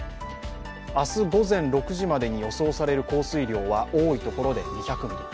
明日午前６時までに予想される降水量は多いところで２００ミリ。